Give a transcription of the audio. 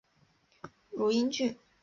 汝阴郡。